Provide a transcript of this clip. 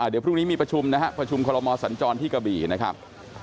เดี๋ยวพรุ่งนี้มีประชุมนะฮะประชุมคอลโมสัญจรที่กะบี่นะครับ